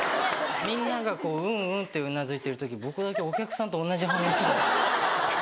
みんながうんうんってうなずいてる時僕だけお客さんと同じ反応。